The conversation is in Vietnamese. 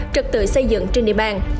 trật tự xây dựng trên địa bàn